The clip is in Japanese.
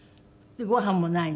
ご飯もないの？